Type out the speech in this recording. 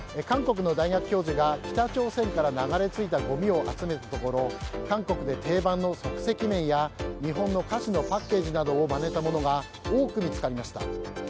韓国の大学教授が北朝鮮から流れ着いたごみを集めたところ韓国で定番の即席麺や日本の菓子のパッケージなどをまねたものが多く見つかりました。